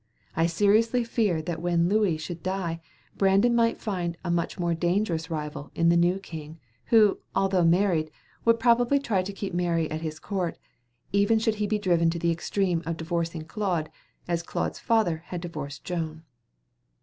I seriously feared that when Louis should die, Brandon might find a much more dangerous rival in the new king, who, although married, would probably try to keep Mary at his court, even should he be driven to the extreme of divorcing Claude, as Claude's father had divorced Joan.